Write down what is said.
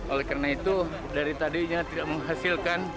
oleh karena itu dari tadinya tidak menghasilkan